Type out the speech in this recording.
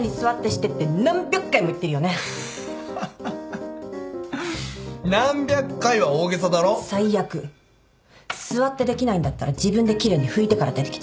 最悪座ってできないんだったら自分で奇麗に拭いてから出てきて。